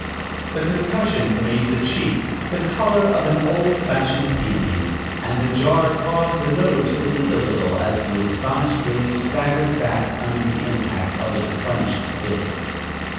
The concussion made the cheek the color of an old fashioned peony, and the jar caused the nose to bleed a little as the astonished Billy staggered back under the impact of a clenched fist.